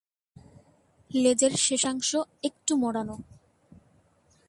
লেজের শেষাংশ একটু মোড়ানো।